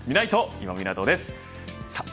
今湊です。